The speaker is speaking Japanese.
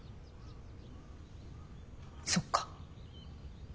そっか。